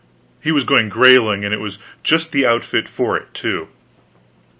He was going grailing, and it was just the outfit for it, too.